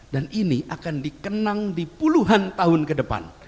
dan ini akan dikenang di puluhan tahun ke depan